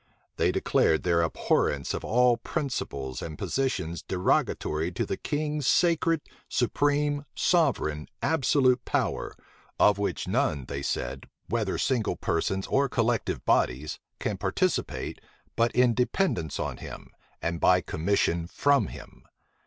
They declared their abhorrence of all principles and positions derogatory to the king's sacred, supreme, sovereign, absolute power, of which none, they said, whether single persons or collective bodies, can participate, but in dependence on him, and by commission from him.